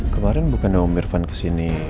kemarin bukan om irvan kesini